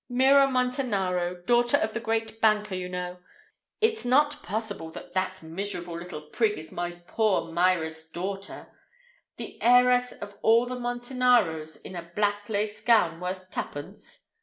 Mira Montanaro, daughter of the great banker, you know. It's not possible that that miserable little prig is my poor Mira's girl. The heiress of all the Montanaros in a black lace gown worth twopence!